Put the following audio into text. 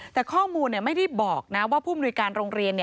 แต่ข้อมูลไม่ได้บอกนะว่าผู้มนุยการโรงเรียน